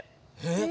えっ！